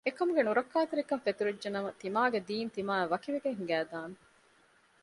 އެކަމުގެ ނުރައްކާތެރިކަން ފެތުރިއްޖެނަމަ ތިމާގެ ދީން ތިމާއާ ވަކިވެގެން ހިނގައިދާނެ